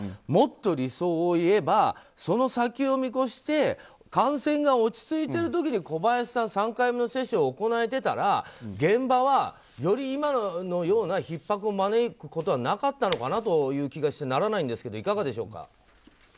もっと理想を言えばその先を見越して感染が落ち着いている時に小林さん３回目の接種を行えていたら現場はより今のようなひっ迫を招くことはなかったのかなという気がしてならないんですけどいかがでしょうか。